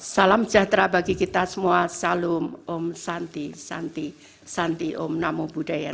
salam sejahtera bagi kita semua salum om santi santi santi om namo buddhaya